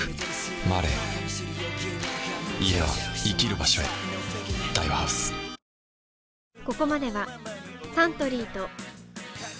「ＭＡＲＥ」家は生きる場所へ週末が！！